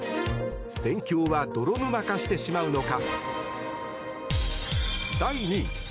戦況は泥沼化してしまうのか。